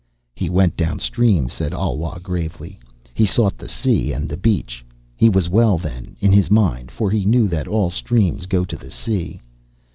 "He went downstream," said Alwa gravely. "He sought the sea and the beach. He was well then, in his mind, for he knew that all streams go to the sea."